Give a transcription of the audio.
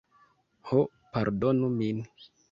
"Ho, pardonu min.